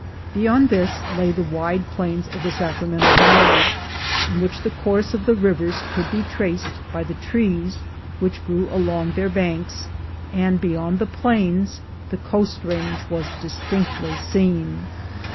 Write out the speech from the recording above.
Be3'ond this lay the wide plains of the Sacramento Valley, in which the course of the rivers could be traced by the trees which grew along their banks; and beyond the plains the coast range was dis tinctly seen.